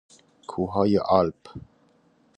کوه های آلپ